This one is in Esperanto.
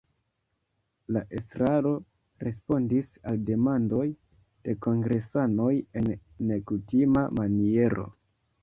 La estraro respondis al demandoj de kongresanoj en nekutima maniero.